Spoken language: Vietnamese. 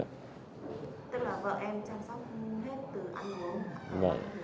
vợ em chăm sóc hết từ ăn uống